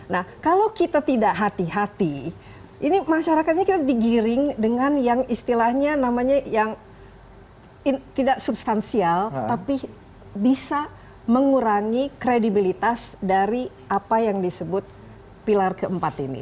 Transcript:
nah kalau kita tidak hati hati ini masyarakat ini kita digiring dengan yang istilahnya namanya yang tidak substansial tapi bisa mengurangi kredibilitas dari apa yang disebut pilar keempat ini